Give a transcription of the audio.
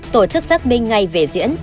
tổ chức xác minh ngay về diễn